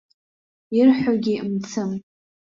Ирҳәогьы мцым.